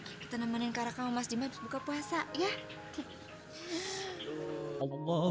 kita nemenin karakao mas dima habis buka puasa ya